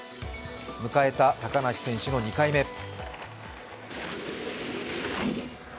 迎えた高梨選手の２回目。